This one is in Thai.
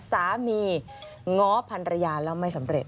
สามีง้อพันรยาแล้วไม่สำเร็จ